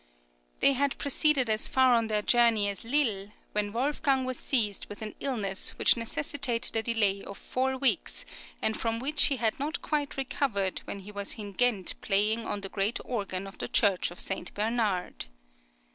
They had proceeded as far on their journey as Lille, when Wolfgang was seized with an illness which necessitated a delay of four weeks, and from which he had not quite recovered when he was in Ghent playing on the great organ of the Church of St. Bernard.